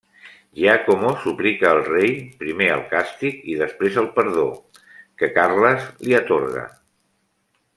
Giacomo suplica al rei, primer el càstig i després el perdó, que Carles li atorga.